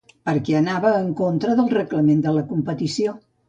Perquè anava en contra del Reglament de la competició.